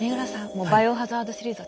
もう「バイオハザード」シリーズ